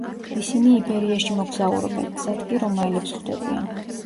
ისინი იბერიაში მოგზაურობენ, გზად კი რომაელებს ხვდებიან.